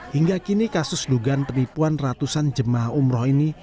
hingga kini kasus dugaan penipuan ratusan jemaah umroh ini